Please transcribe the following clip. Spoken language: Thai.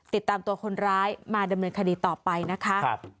ติดตามตัวคนร้ายมาดำเนินคดีต่อไปนะคะ